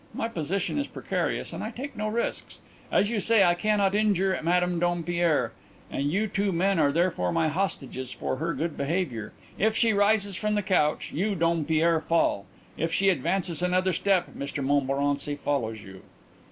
"My position is precarious and I take no risks. As you say, I cannot injure Madame Dompierre, and you two men are therefore my hostages for her good behaviour. If she rises from the couch you, Dompierre, fall. If she advances another step Mr Montmorency follows you."